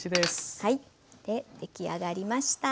で出来上がりました。